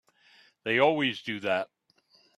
They always do that.